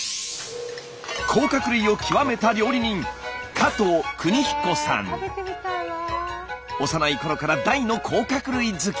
甲殻類を極めた料理人幼い頃から大の甲殻類好き。